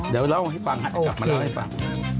เดี๋ยวเล่าให้ฟังกลับมาเล่าให้ฟัง